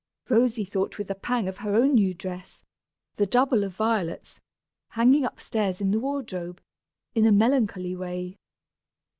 (Rosy thought with a pang of her own new dress, the double of Violet's, hanging upstairs in the wardrobe, in a melancholy way!)